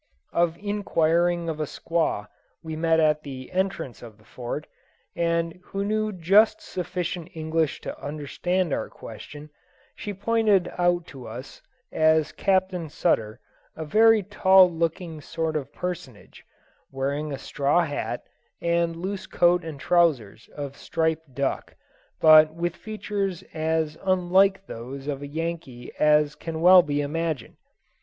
On inquiring of a squaw we met at the entrance of the Fort, and who knew just sufficient English to understand our question, she pointed out to us as Captain Sutter a very tall good looking sort of personage, wearing a straw hat and loose coat and trousers of striped duck, but with features as unlike those of a Yankee as can well be imagined.